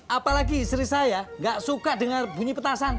apalagi istri saya gak suka denger bunyi petasan